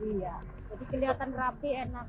iya jadi kelihatan rapi enak